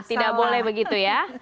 tidak boleh begitu ya